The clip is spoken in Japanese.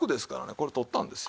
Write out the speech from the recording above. これ取ったんですよ。